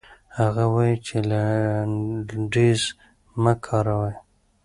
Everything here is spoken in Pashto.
هغه وايي چې لنډيز مه کاروئ.